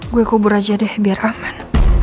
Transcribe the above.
gue kubur aja deh biar aman